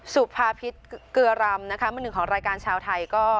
สุภาพิษเกลือรำนะคะมือหนึ่งของรายการชาวไทยก็